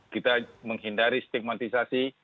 kita menghindari stigmatisasi